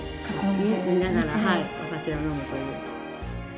見ながらお酒を飲むという。